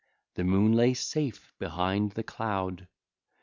The moon lay safe behind the cloud.